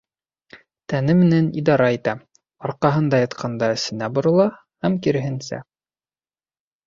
Тәне менән идара итә: арҡаһында ятҡанда эсенә борола, һәм киреһенсә.